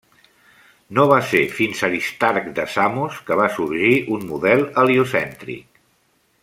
No va ser fins Aristarc de Samos que va sorgir un model heliocèntric.